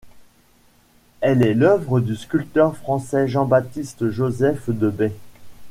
Elle est l'œuvre du sculpteur français Jean Baptiste Joseph De Bay.